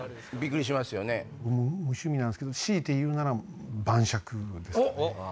無趣味なんですけど強いて言うなら晩酌ですかね。